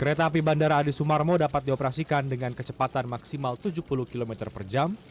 kereta api bandara adi sumarmo dapat dioperasikan dengan kecepatan maksimal tujuh puluh km per jam